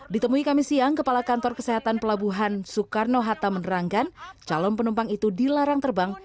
ditemui kami siang kepala kantor kesehatan pelabuhan soekarno hatta menerangkan calon penumpang itu dilarang terbang